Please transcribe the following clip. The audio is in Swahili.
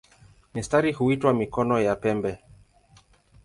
Mistari huitwa "mikono" ya pembe.